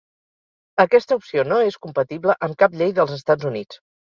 Aquesta opció no és compatible amb cap llei dels Estats Units.